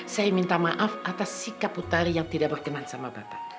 saya minta maaf atas sikap putali yang tidak berkenan sama bapak